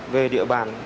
về địa bàn